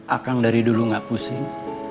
akang dari dulu gak pusing